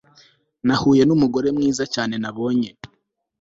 Nahuye numugore mwiza cyane nabonye